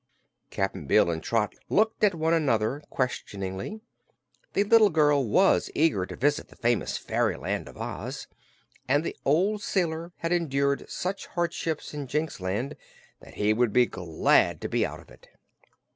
Cap'n Bill and Trot looked at one another questioningly. The little girl was eager to visit the famous fairyland of Oz and the old sailor had endured such hardships in Jinxland that he would be glad to be out of it.